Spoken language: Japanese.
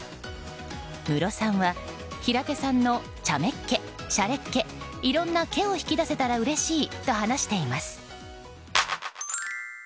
ムロさんは、平手さんの茶目っ気、しゃれっ気いろんな気を引き出せたらうれしいと話しています。